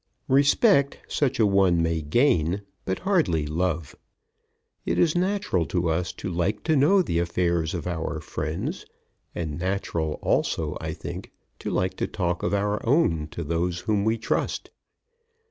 Respect such a one may gain, but hardly love. It is natural to us to like to know the affairs of our friends; and natural also, I think, to like to talk of our own to those whom we trust.